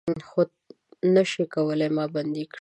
خو نه شئ کولای ما بندۍ کړي